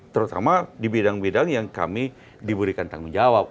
terutama di bidang bidang yang kami diberikan tanggung jawab